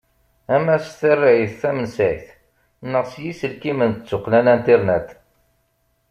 Ama s tarrayt tamensayt neɣ s yiselkimen d tuqqna internet.